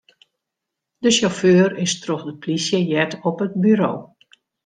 De sjauffeur is troch de polysje heard op it buro.